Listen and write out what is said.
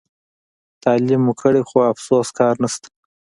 تعلیم مو کړي خو افسوس کار نشته.